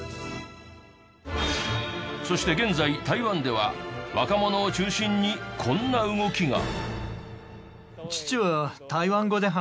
そして現在台湾では若者を中心にこんな動きが。